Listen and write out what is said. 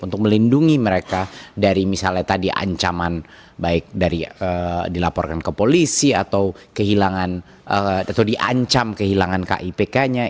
untuk melindungi mereka dari misalnya tadi ancaman baik dari dilaporkan ke polisi atau kehilangan atau diancam kehilangan kipk nya